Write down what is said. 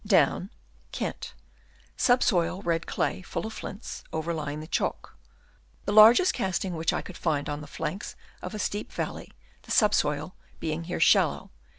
Down, Kent (sub soil red clay, full of flints, over lying the chalk). The largest casting which I could find on the flanks of a steep valley, the sub soil being here shallow.